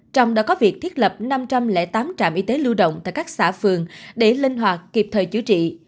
trong đó có việc thiết lập năm trăm linh tám trạm y tế lưu động tại các xã phường để linh hoạt kịp thời chữa trị